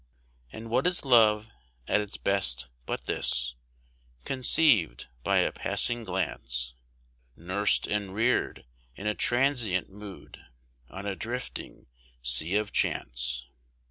And what is love at its best, but this? Conceived by a passing glance, Nursed and reared in a transient mood, on a drifting Sea of Chance.